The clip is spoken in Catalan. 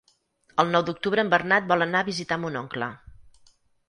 El nou d'octubre en Bernat vol anar a visitar mon oncle.